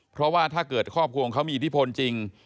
เพราะว่าถ้าเกิดครอบครัวของเขามีอิทธิพลจริง